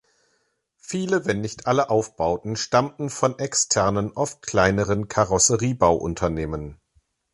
Viele, wenn nicht alle Aufbauten stammten von externen, oft kleineren Karosseriebauunternehmen.